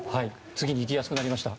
次に行きやすくなりました。